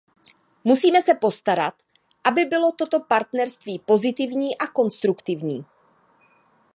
Musíme se postarat, aby bylo toto partnerství pozitivní a konstruktivní.